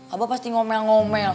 abah pasti ngomel ngomel